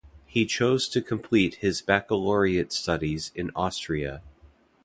He chose to complete his baccalaureate studies in Austria.